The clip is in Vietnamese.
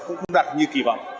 cũng không đạt như kỳ vọng